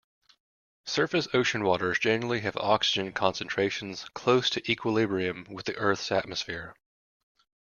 Surface ocean waters generally have oxygen concentrations close to equilibrium with the Earth's atmosphere.